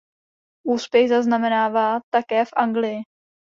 Úspěch zaznamenává také v Anglii.